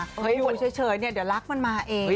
เผื่อรู้เฉยเดี๋ยวรักมันมาเอง